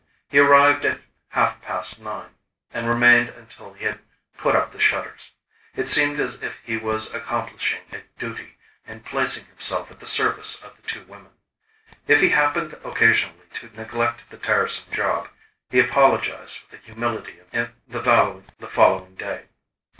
He arrived at half past nine, and remained until he had put up the shutters. It seemed as if he was accomplishing a duty in placing himself at the service of the two women. If he happened occasionally to neglect the tiresome job, he apologised with the humility of a valet the following day.